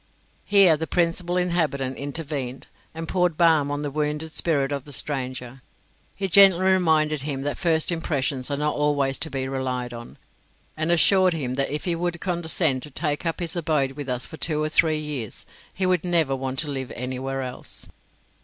Here the Principal Inhabitant intervened, and poured balm on the wounded spirit of the stranger. He gently reminded him that first impressions are not always to be relied on; and assured him that if he would condescend to take up his abode with us for two or three years, he would never want to live anywhere else.